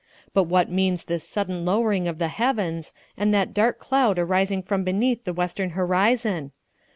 But what means this sudden lowering of the heavens, and that dark cloud arising from beneath the western horizon?